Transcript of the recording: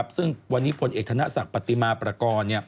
ซึ่งวันนี้พลเอกธนศักดิ์ปฏิมาประกอบ